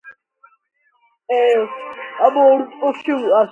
მან მომღერალს გრემის მრავალი ჯილდო მოუტანა.